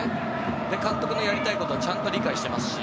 それで、監督のやりたいことをちゃんと理解してますし。